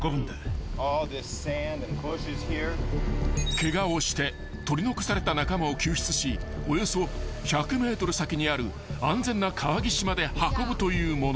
［ケガをして取り残された仲間を救出しおよそ１００ｍ先にある安全な川岸まで運ぶというもの］